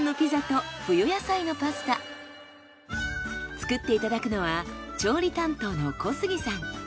作っていただくのは調理担当の小杉さん。